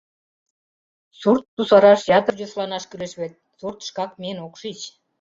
Сурт кусараш ятыр йӧсланаш кӱлеш вет, сурт шкак миен ок шич.